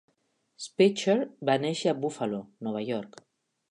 Speicher va néixer a Buffalo, Nova York.